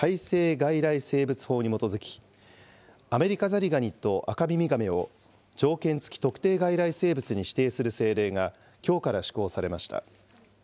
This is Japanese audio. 外来生物法に基づきアメリカザリガニとアカミミガメを条件付き特定外来生物に指定する政令がきょうから施行されました。